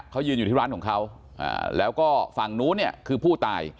เขายืนอยู่ที่ร้านของเขาแล้วก็ฝั่งนู้นเนี่ยคือผู้ตาย